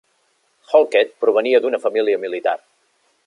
Halkett provenia d'una família militar.